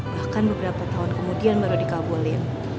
bahkan beberapa tahun kemudian baru dikabulin